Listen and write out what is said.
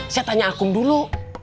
saya tanya akum dulu